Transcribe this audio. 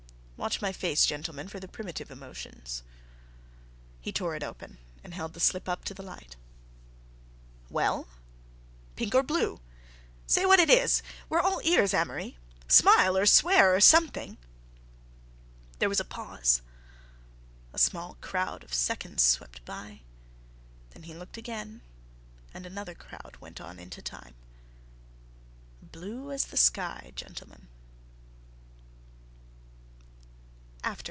"Watch my face, gentlemen, for the primitive emotions." He tore it open and held the slip up to the light. "Well?" "Pink or blue?" "Say what it is." "We're all ears, Amory." "Smile or swear—or something." There was a pause... a small crowd of seconds swept by... then he looked again and another crowd went on into time. "Blue as the sky, gentlemen...."